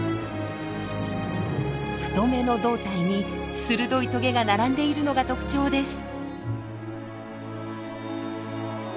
太めの胴体に鋭いトゲが並んでいるのが特徴です。